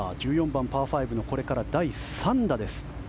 １４番、パー５のこれから第３打です。